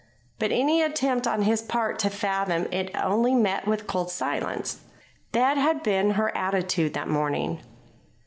But any attempt on his part to fathom it only met with cold silence. That had been her attitude that morning.